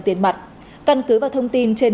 tiền mặt căn cứ vào thông tin trên